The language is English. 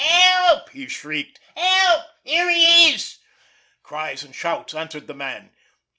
"Help!" he shrieked. "Help! Here he is!" Cries and shouts answered the man.